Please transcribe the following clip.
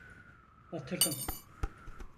Batırdım.